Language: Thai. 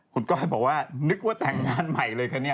คุณก้อยบอกว่านึกว่าแต่งงานใหม่เลยคะเนี่ย